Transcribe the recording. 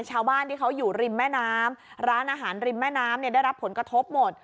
ชาวบ้านที่เขาอยู่ริมแม่น้ำร้านอาหารริมแม่น้ำเนี่ยได้รับผลกระทบหมด